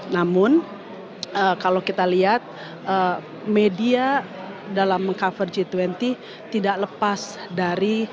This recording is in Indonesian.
namun kalau kita lihat media dalam meng cover g dua puluh tidak lepas dari